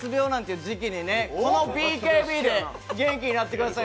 このＢＫＢで元気になってください。